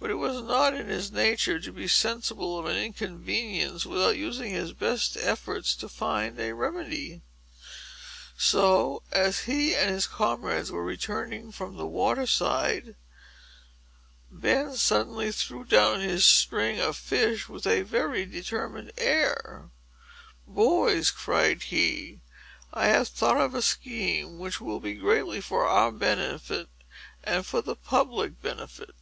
But it was not in his nature to be sensible of an inconvenience, without using his best efforts to find a remedy. So, as he and his comrades were returning from the water side, Ben suddenly threw down his string of fish with a very determined air: "Boys," cried he, "I have thought of a scheme, which will be greatly for our benefit, and for the public benefit!"